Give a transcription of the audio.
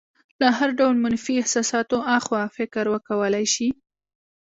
له هر ډول منفي احساساتو اخوا فکر وکولی شي.